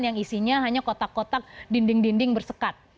yang isinya hanya kotak kotak dinding dinding bersekat